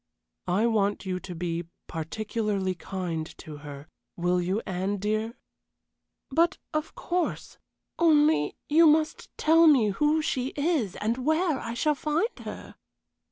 I want you to be particularly kind to her, will you, Anne, dear?" "But, of course; only you must tell me who she is and where I shall find her."